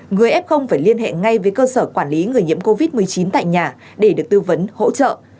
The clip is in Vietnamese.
người f phải liên hệ ngay với cơ sở quản lý người nhiễm covid một mươi chín tại nhà để được tư vấn hỗ trợ